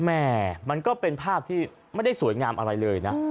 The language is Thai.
แม่มันก็เป็นภาพที่ไม่ได้สวยงามอะไรเลยนะ